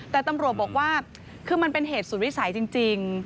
แต่ตำรวจบอกว่าคือมันเป็นเหตุสุดวิสัยจริง